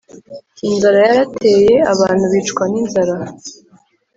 inzara yarateye abantu bicwa ninzara